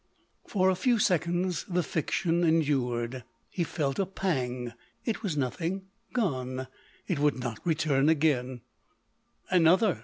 For a feu seconds the fiction endured : he felt a pang — it was nothing — gone; it would not return again: — another